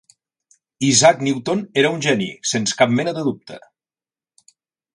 Isaac Newton era un geni, sens cap mena de dubte.